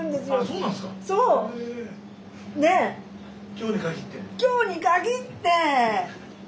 今日に限って？